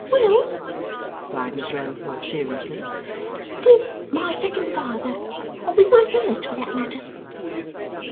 'Well!' replied Miss Wren, more seriously. 'With my second father. Or with my first, for that matter.